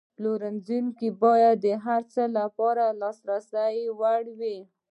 پلورنځی باید د هر چا لپاره د لاسرسي وړ وي.